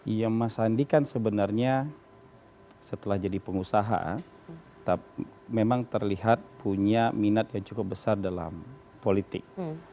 iya mas sandi kan sebenarnya setelah jadi pengusaha memang terlihat punya minat yang cukup besar dalam politik